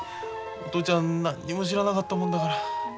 お父ちゃん何にも知らなかったもんだから。